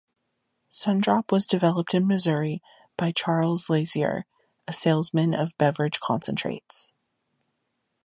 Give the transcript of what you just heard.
Sun Drop was developed in Missouri, by Charles Lazier, a salesman of beverage concentrates.